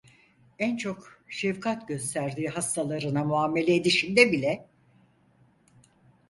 En çok şefkat gösterdiği hastalarına muamele edişinde bile…